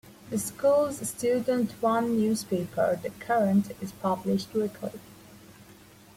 The school's student-run newspaper, "The Current", is published weekly.